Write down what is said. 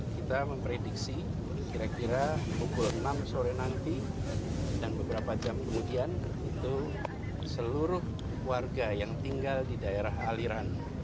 kita memprediksi kira kira pukul enam sore nanti dan beberapa jam kemudian itu seluruh warga yang tinggal di daerah aliran